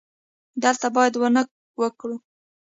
دلته باید ونه وکرو